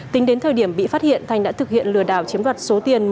tính đến thời điểm bị phát hiện thành đã thực hiện lừa đảo chiếm đoạt số tiền